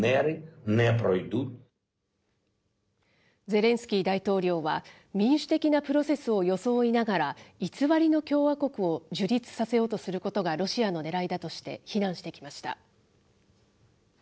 ゼレンスキー大統領は、民主的なプロセスを装いながら、偽りの共和国を樹立させようとすることがロシアのねらいだとして非難してきました。